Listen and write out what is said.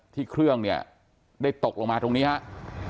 เครื่องเนี่ยได้ตกลงมาตรงนี้ครับ